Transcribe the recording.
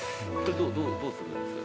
どうするんですか？